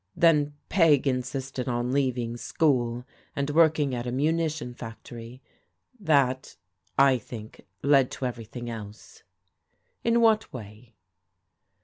Then Peg in sisted on leaving school, and working at a munition fac tory. That, I think, led to everything else." "In what way?"